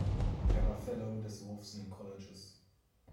Er war Fellow des Wolfson Colleges.